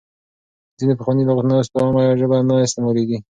ځینې پخواني لغاتونه اوس په عامه ژبه کې نه استعمالېږي.